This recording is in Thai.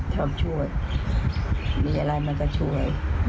ชอบช่วยมีอะไรมันก็ช่วย